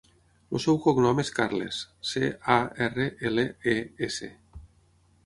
El seu cognom és Carles: ce, a, erra, ela, e, essa.